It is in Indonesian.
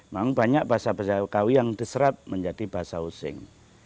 memang banyak bahasa bahasa kawi yang diserap menjadi bahasa using